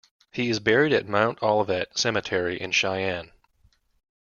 He is buried at Mount Olivet Cemetery in Cheyenne.